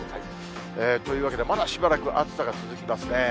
というわけで、まだしばらく暑さが続きますね。